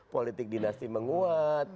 politik dinasti menguat